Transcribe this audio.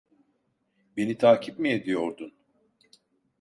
Beni takip mi ediyordun?